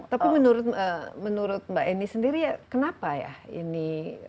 tapi menurut mbak eni sendiri ya kenapa ya ini